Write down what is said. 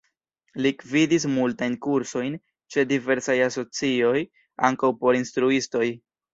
Li gvidis multajn kursojn ĉe diversaj asocioj, ankaŭ por instruistoj.